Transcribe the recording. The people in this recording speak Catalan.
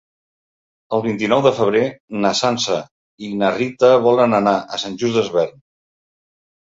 El vint-i-nou de febrer na Sança i na Rita volen anar a Sant Just Desvern.